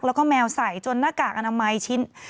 แล้วก็แมวใส่จนหน้ากากอนามัยชิ้น